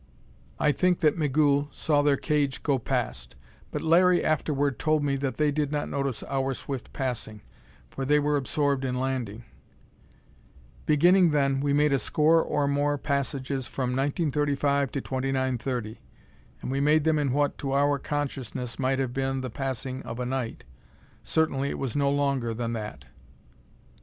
I think that Migul saw their cage go past; but Larry afterward told me that they did not notice our swift passing, for they were absorbed in landing. Beginning then, we made a score or more passages from 1935 to 2930. And we made them in what, to our consciousness, might have been the passing of a night. Certainly it was no longer than that.